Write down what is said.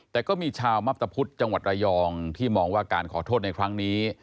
แต่ก็มีชาวมับตะพุทธจังหวัดระยองที่มองว่าการขอโทษในครั้งนี้